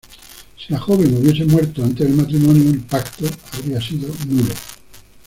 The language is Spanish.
Si la joven hubiese muerto antes del matrimonio, el pacto habría sido nulo.